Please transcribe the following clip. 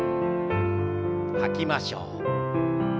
吐きましょう。